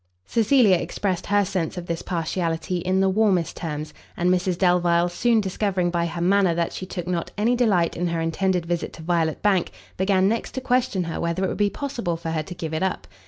Cecilia expressed her sense of this partiality in the warmest terms; and Mrs Delvile, soon discovering by her manner that she took not any delight in her intended visit to Violet Bank, began next to question her whether it would be possible for her to give it up.